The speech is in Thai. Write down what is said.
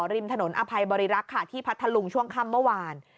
ริมถนนอภัยบริรักษ์ค่ะที่พัทธลุงช่วงค่ำเมื่อวาน